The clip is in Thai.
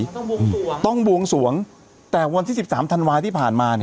ต้องบวงสวงต้องบวงสวงแต่วันที่สิบสามธันวาที่ผ่านมาเนี่ย